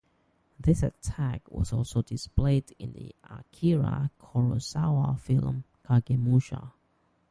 This attack was also displayed in the Akira Kurosawa film "Kagemusha".